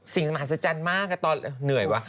สิ่งสมหัศจรรย์มากตอนนั้นเหนื่อยว่ะ